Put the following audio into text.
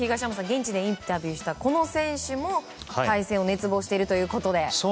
現地でインタビューしたこの選手も対戦を熱望しているということで。